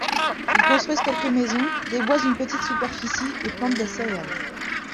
Ils construissent quelques maisons, déboisent une petite superficie et plantent des céréales.